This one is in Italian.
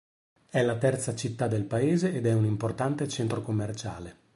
È la terza città del paese ed è un importante centro commerciale.